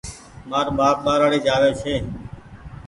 مآر ٻآپ ٻآرآڙي جآوي ڇي